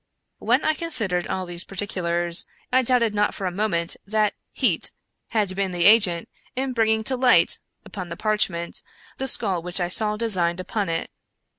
When I considered all these particulars, I doubted not for a moment that heat had been the agent in bringing to light, upon the parchment, the skull which I saw designed upon it.